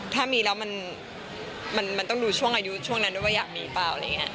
ถ้ามีแล้วมันต้องดูช่วงอายุช่วงนั้นด้วยว่าอยากมีเปล่า